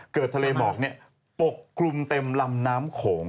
ทะเลหมอกปกคลุมเต็มลำน้ำโขง